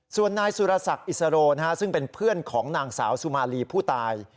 ส่วนนายสุรศักดิ์อิสโรซึ่งเป็นเพื่อนของนางสาวสุมาลีผู้ตาย